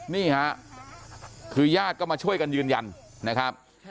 นี่ค่ะคือญาติก็มาช่วยกันยืนยันนะครับ